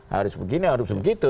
harus begini harus begitu